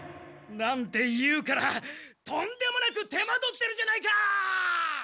なんて言うからとんでもなく手間取ってるじゃないか！